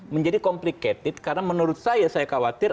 menjadi complicated karena menurut saya saya khawatir